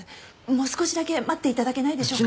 もう少しだけ待って頂けないでしょうか？